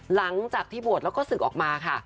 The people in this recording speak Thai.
หลังจากที่บวชแล้วก็ศึกออกมาค่ะ